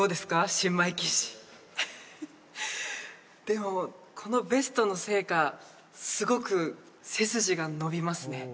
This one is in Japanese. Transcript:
新米騎士でもこのベストのせいかすごく背筋が伸びますね